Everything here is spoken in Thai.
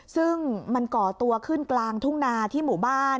ซึ่งมันก่อตัวขึ้นกลางทุ่งนาที่หมู่บ้าน